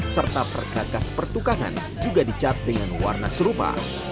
serta perkakas pertukangan juga dicat dengan warna serupa